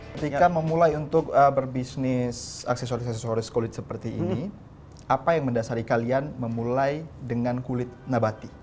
ketika memulai untuk berbisnis aksesoris aksesoris kulit seperti ini apa yang mendasari kalian memulai dengan kulit nabati